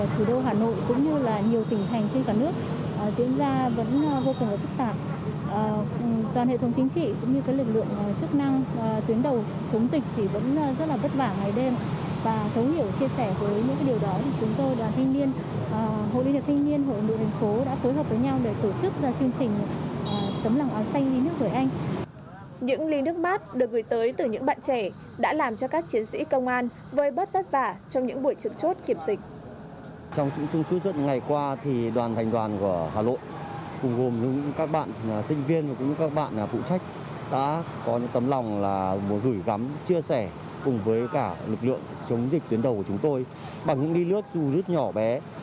trong thời gian vừa qua tình hình dịch bệnh tại thủ đô hà nội cũng như nhiều tỉnh thành trên cả nước diễn ra vẫn vô cùng phức tạp